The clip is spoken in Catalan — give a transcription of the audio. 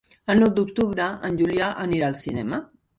El nou d'octubre en Julià anirà al cinema.